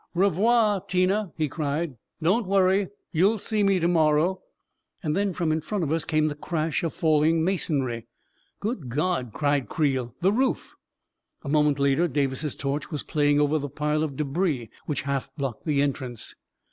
" Revoir, Tina !" he cried. " Don't worry. You'll see me to morrow !" And then from in front of us came the crash of falling masonry. " Good God !" cried Creel. " The roof! " A moment later, Davis's torch was playing over the pile of debris which half blocked the entrance.